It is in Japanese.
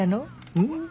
うん。